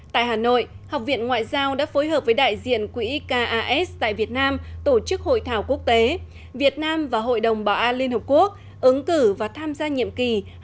tại hà nội học viện ngoại giao đã phối hợp với đại diện quỹ kas tại việt nam tổ chức hội thảo quốc tế việt nam và hội đồng bảo an liên hợp quốc ứng cử và tham gia nhiệm kỳ hai nghìn hai mươi hai nghìn hai mươi một